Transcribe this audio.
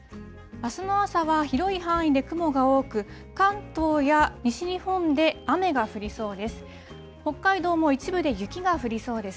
あすの朝は、広い範囲で雲が多く、関東や西日本で雨が降りそうです。